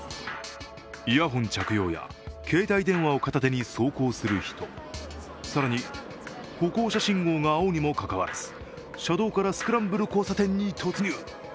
イヤホン着用や携帯電話を片手に走行する人、更に歩行者信号が青にもかかわらず車道からスクランブル交差点に突入。